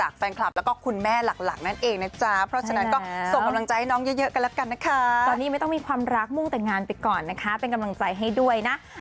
เคยครับนานครับผมตั้งแต่มัธยมต้นนู้น